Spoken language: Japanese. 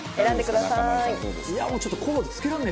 選んでください。